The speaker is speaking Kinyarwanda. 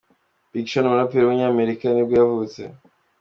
Big Sean, umuraperi w’umunyamerika nibwo yavutse.